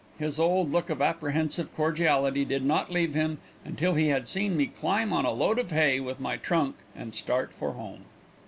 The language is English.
His old look of apprehensive cordiality did not leave him until he had seen me climb on a load of hay with my trunk and start for home.